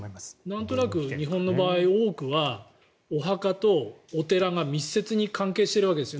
何となく日本の場合多くは、お墓とお寺が密接に関係してるわけです。